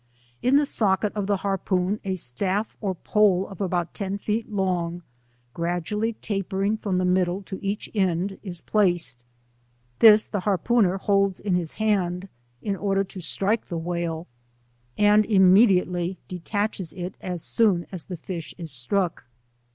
In the socket of the harpoon a staff or pole of about ten feet long, gradually taper ing from the middle to each end, is placed ; this the harpooner holds in his hand, ia order to strike the whale, and immediately detaches it as soon as the fish is struck.